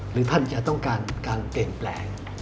ท่านจะต้องการการเปลี่ยนแปลง